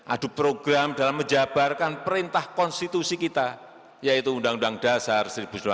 adu program dalam menjabarkan perintah konstitusi kita yaitu undang undang dasar seribu sembilan ratus empat puluh lima